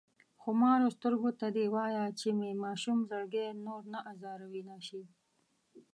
خمارو سترګو ته دې وايه چې مې ماشوم زړګی نور نه ازاروينه شي